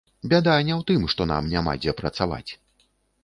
Бяда не ў тым, што нам няма дзе працаваць.